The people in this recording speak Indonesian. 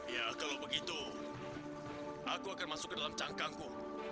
ya kalau begitu aku akan masuk ke dalam cangkangku